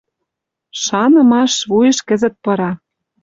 Шанымаш вуйыш кӹзӹт пыра.